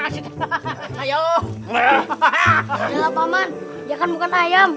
cilapaman bukan merupakan ayam